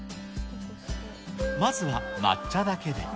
まずは抹茶だけで。